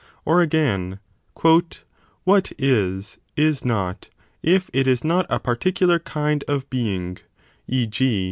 Or again, l What is, is not, if it is not a particular kind of being, e. g.